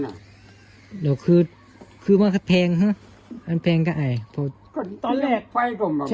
อ่ะแล้วคือคือมันก็แพงฮะมันแพงก็ไอตอนแรกไฟล่วง